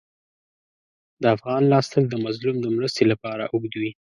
د افغان لاس تل د مظلوم د مرستې لپاره اوږد وي.